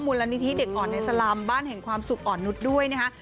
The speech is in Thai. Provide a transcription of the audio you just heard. มูลนิธิเด็กอ่อนในสลามบ้านแห่งความสุขอ่อนนุษย์ด้วยนะคะ